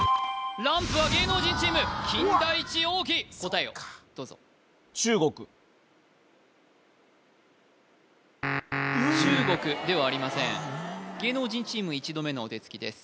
ランプは芸能人チーム金田一央紀答えをどうぞ中国ではありません芸能人チーム１度目のお手付きです